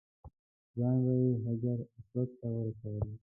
ځان به یې حجر اسود ته ورسولو.